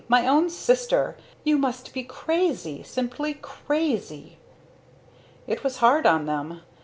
My own sister! You must be crazy simply crazy!" It was hard on them.